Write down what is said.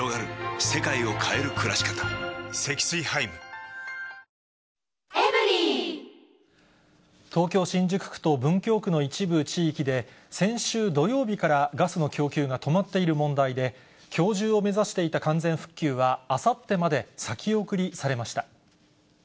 これもう回転させて、たれが東京・新宿区と文京区の一部地域で、先週土曜日から、ガスの供給が止まっている問題で、きょう中を目指していた完全復旧は、あさってまで先送りされました。